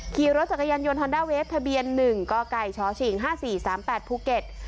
ขี่รถจักรยานยนต์ฮอนดาเวฟทะเบียนหนึ่งกกชฉีงห้าสี่สามแปดภูเก็ต